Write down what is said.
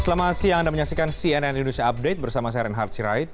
selamat siang anda menyaksikan cnn indonesia update bersama saya reinhard sirait